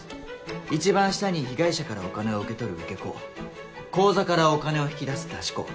一番下に被害者からお金を受け取る「受け子」口座からお金を引き出す「出し子」